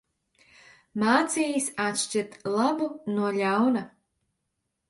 Mācījis atšķirt labu no ļauna.